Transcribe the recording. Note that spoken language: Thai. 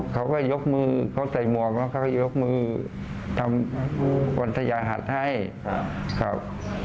เขาก็ยกมือเขาใส่หมวกแล้วเขาก็ยกมือทำวันทยาหัสให้ครับ